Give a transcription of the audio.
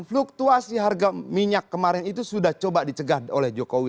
fluktuasi harga minyak kemarin itu sudah coba dicegah oleh jokowi